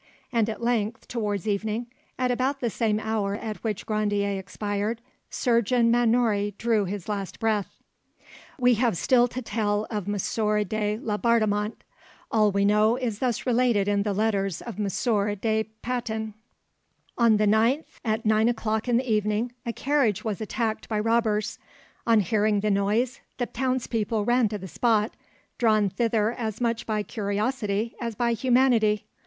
and at length, towards evening, at about the same hour at which Grandier expired, Surgeon Mannouri drew his last breath. We have still to tell of M. de Laubardemont. All we know is thus related in the letters of M. de Patin:— "On the 9th inst., at nine o'clock in the evening, a carriage was attacked by robbers; on hearing the noise the townspeople ran to the spot, drawn thither as much by curiosity as by humanity.